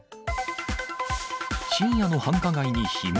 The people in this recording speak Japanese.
深夜の繁華街に悲鳴。